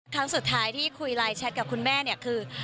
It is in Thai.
ครั้งสุดท้ายที่คุยไลน์แชทกับคุณแม่เนี่ยคือ